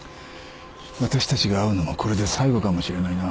私たちが会うのもこれで最後かもしれないな。